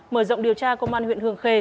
mở rộng điều tra công an huyện hương khê